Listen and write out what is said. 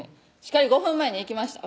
しっかり５分前に行きました